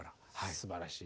すばらしい！